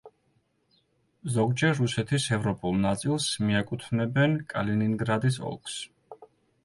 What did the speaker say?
ზოგჯერ რუსეთის ევროპულ ნაწილს მიაკუთვნებენ კალინინგრადის ოლქს.